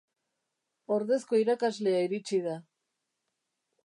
Ordezko irakaslea iritsi da.